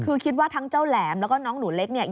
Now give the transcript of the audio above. คือคิดว่าทั้งเจ้าแหลมแล้วก็น้องหนูเล็กเนี่ย